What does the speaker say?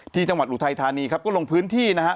ที่จังหวัดอูทัยธานีครับก็ลงพื้นที่นะฮะ